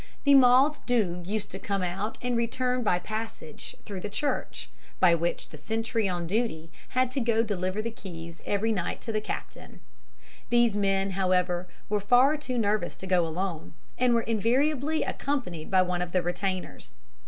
The Mauthe Doog used to come out and return by the passage through the church, by which the sentry on duty had to go to deliver the keys every night to the captain. These men, however, were far too nervous to go alone, and were invariably accompanied by one of the retainers.